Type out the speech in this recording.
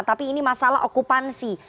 tapi ini masalah okupansi